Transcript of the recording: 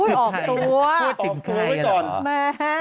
พูดถึงใครกันเหรอ